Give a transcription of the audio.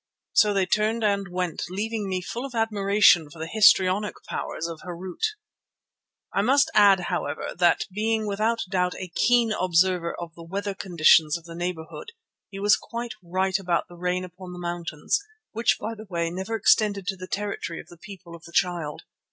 So they turned and went, leaving me full of admiration for the histrionic powers of Harût. I must add, however, that being without doubt a keen observer of the weather conditions of the neighbourhood, he was quite right about the rain upon the mountains, which by the way never extended to the territory of the People of the Child.